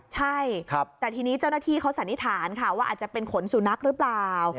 ใช่แต่ทีนี้เจ้าหน้าที่เขาสันนิษฐานค่ะว่าอาจจะเป็นขนสุนัขหรือเปล่า